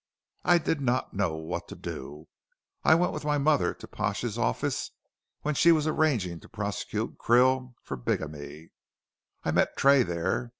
I did not know what to do. I went with my mother to Pash's office, when she was arranging to prosecute Krill for bigamy. I met Tray there.